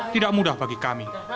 tidak mudah bagi kami